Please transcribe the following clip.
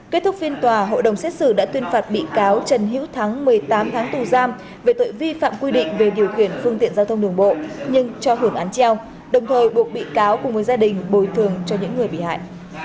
kết thúc phiên tòa hội đồng xét xử đã tuyên phạt bị cáo trần hữu thắng một mươi tám tháng tù giam về tội vi phạm quy định về điều khiển phương tiện giao thông đường bộ nhưng cho hưởng án treo đồng thời buộc bị cáo cùng với gia đình bồi thường cho những người bị hại